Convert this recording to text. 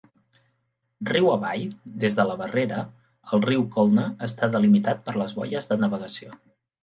Riu avall des de la barrera, el riu Colne està delimitat per boies de navegació.